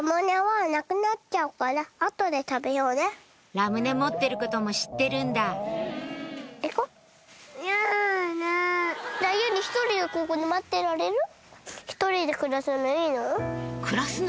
ラムネ持ってることも知ってるんだ暮らすの？